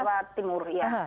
seberapa jawa timur iya